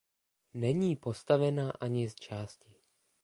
Není postavena ani zčásti.